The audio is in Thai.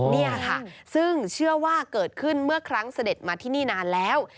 นี่ค่ะซึ่งเชื่อว่าเกิดขึ้นเมื่อครั้งเสด็จมาที่นี่นานแล้ว